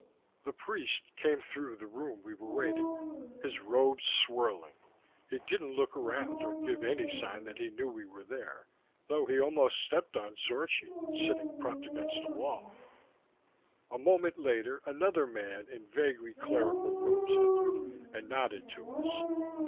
The priest came through the room we were waiting in, his robes swirling. He didn't look around, or give any sign that he knew we were there, though he almost stepped on Zorchi, sitting propped against a wall. A moment later, another man in vaguely clerical robes entered and nodded to us.